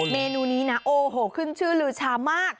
เมนูนี้นะโอ้โหขึ้นชื่อลือชามาก